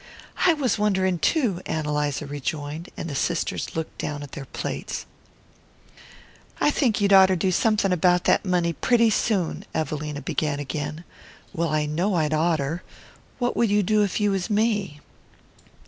"I was wondering too," Ann Eliza rejoined; and the sisters looked down at their plates. "I should think you'd oughter do something about that money pretty soon," Evelina began again. "Well, I know I'd oughter. What would you do if you was me?"